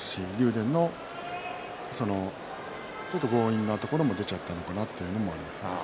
電の強引なところも出ちゃったのかなと思います。